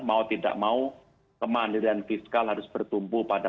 mau tidak mau kemandirian fiskal harus bertumpu pada